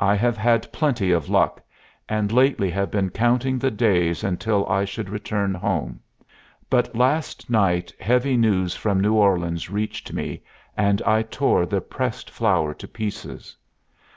I have had plenty of luck, and lately have been counting the days until I should return home. But last night heavy news from New Orleans reached me, and I tore the pressed flower to pieces.